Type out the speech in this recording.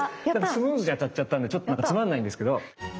スムーズに当たっちゃったんでちょっとつまんないんですけど。